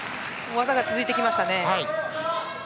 技が続いてきましたね。